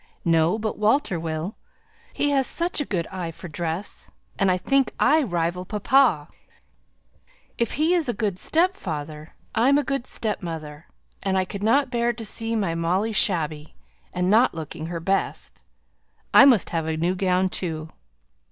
"No! but Walter will. He has such a quick eye for dress, and I think I rival papa; if he's a good stepfather, I'm a good stepmother, and I could not bear to see my Molly shabby, and not looking her best. I must have a new gown too.